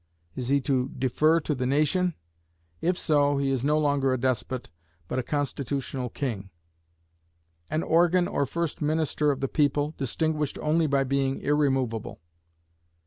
Is he to defer to the nation? If so, he is no longer a despot, but a constitutional king; an organ or first minister of the people, distinguished only by being irremovable.